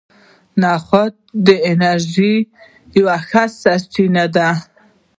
نخود د انرژۍ یوه ښه سرچینه ده.